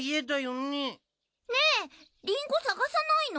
ねぇリンゴ探さないの？